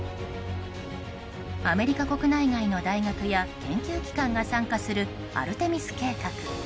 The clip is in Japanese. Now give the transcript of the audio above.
アメリカ国内外の大学や研究機関が参加するアルテミス計画。